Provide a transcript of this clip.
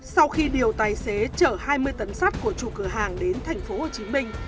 sau khi điều tài xế chở hai mươi tấn sắt của chủ cửa hàng đến thành phố hồ chí minh